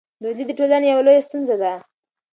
بېوزلي د ټولنې یوه لویه ستونزه ده.